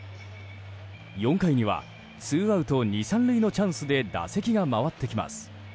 ４回にはツーアウト２、３塁のチャンスで打席が回ってきます。